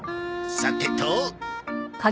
さてと。